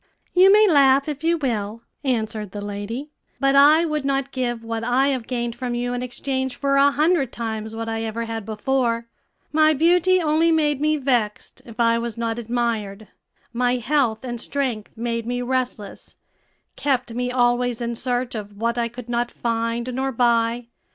"You may laugh if you will," answered the lady; "but I would not give what I have gained from you in exchange for a hundred times what I ever had before. My beauty only made me vexed if I was not admired; my health and strength made me restless, kept me always in search of what I could not find nor buy.